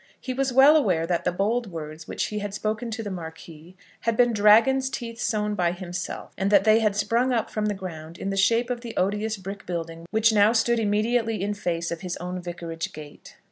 He was well aware that the bold words which he had spoken to the Marquis had been dragon's teeth sown by himself, and that they had sprung up from the ground in the shape of the odious brick building which now stood immediately in face of his own Vicarage gate.